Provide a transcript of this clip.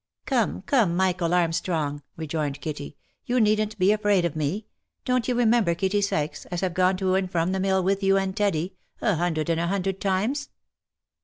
"Come, come, Michael Armstrong," rejoined Kitty, "you needn't he afraid of me. Don't you remember Kitty Sykes, as have gone to and from the mill with you and Teddy, a hundred and a hundred times?"